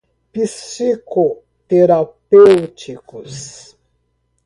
psicoterapêuticos